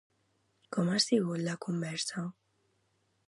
Com ha sigut la conversa?